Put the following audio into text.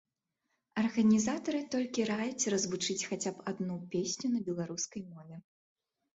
Арганізатары толькі раяць развучыць хаця б адну песню на беларускай мове.